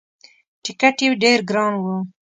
ټکت یې ډېر ګران وو.